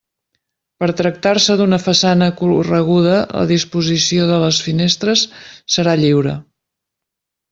Per tractar-se d'una façana correguda la disposició de les finestres serà lliure.